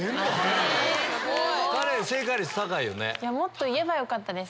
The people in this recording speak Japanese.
もっと言えばよかったです